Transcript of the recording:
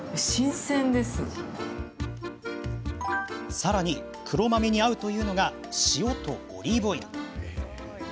さらに、黒豆に合うというのが塩とオリーブオイル。